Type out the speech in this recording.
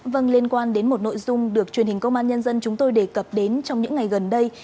vâng liên quan đến một nội dung được truyền hình công an nhân dân chúng tôi đề cập đến trong những ngày gần đây